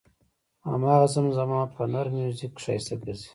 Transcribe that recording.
هماغه زمزمه په نر میوزیک ښایسته ګرځي.